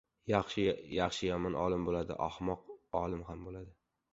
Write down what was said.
• Yaxshi, yomon olim bo‘ladi. Ahmoq olim ham bo‘ladi.